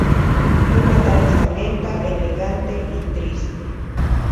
Una danza lenta, elegante y triste.